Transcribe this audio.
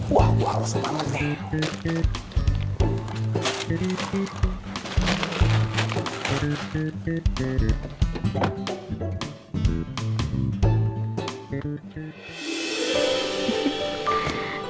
wah gue harus sama brian